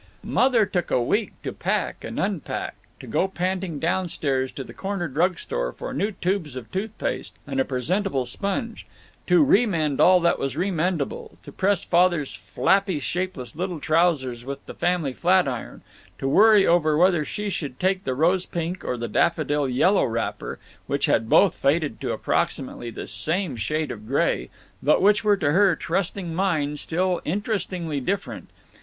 Mother took a week to pack, and unpack, to go panting down stairs to the corner drug store for new tubes of tooth paste and a presentable sponge, to remend all that was remendable, to press Father's flappy, shapeless little trousers with the family flat iron, to worry over whether she should take the rose pink or the daffodil yellow wrapper which had both faded to approximately the same shade of gray, but which were to her trusting mind still interestingly different.